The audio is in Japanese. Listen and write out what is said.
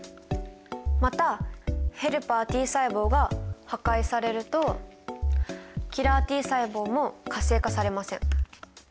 またヘルパーＴ細胞が破壊されるとキラーＴ細胞も活性化されません。